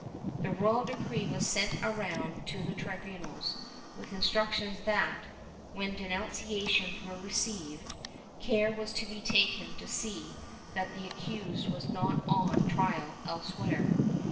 "* The royal decree was sent around to the tribunals, with instructions that, when denunciations were received, care was to be taken to see that the accused was not on trial elsewhere.